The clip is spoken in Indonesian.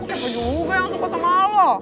siapa juga yang suka sama lo